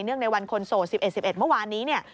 ในวันคนโสด๑๑๑๑เมื่อวานนี้เนี่ย